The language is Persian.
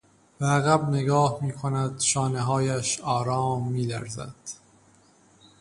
به عقب نگاه میکند شانههایش آرام میلرزد